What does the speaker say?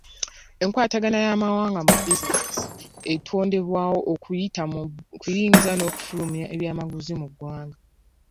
Enkwatagana n'amawanga mu bizinensi etondebwawo okuyita mu kuyingiza n'okufulumya ebyamaguzi mu ggwanga.